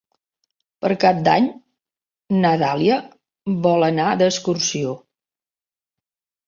Per Cap d'Any na Dàlia vol anar d'excursió.